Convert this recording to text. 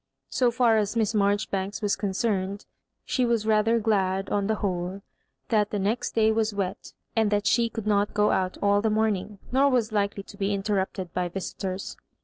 So far as Miss Marjoribanks was con cerned, f^e was rather glad, on the whole, that the next day was wet, and that she could not go out all the morning, nor was likely to be interrupted by visitors.